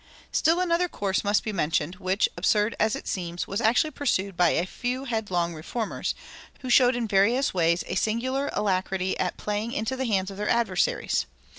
(7) Still another course must be mentioned, which, absurd as it seems, was actually pursued by a few headlong reformers, who showed in various ways a singular alacrity at playing into the hands of their adversaries.